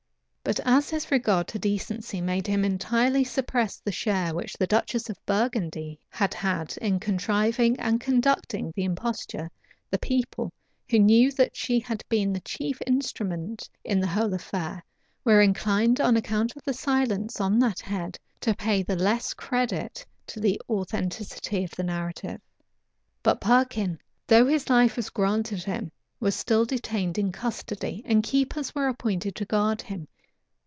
But as his regard to decency made him entirely suppress the share which the duchess of Burgundy had had in contriving and conducting the imposture, the people, who knew that she had been the chief instrument in the whole affair, were inclined, on account of the silence on that head, to pay the less credit to the authenticity of the narrative. * Polyd. Virg. p. 606. {1499.} But Perkin, though his life was granted him, was still detained in custody; and keepers were appointed to guard him.